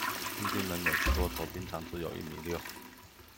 問君能有幾多愁，兵長只有一米六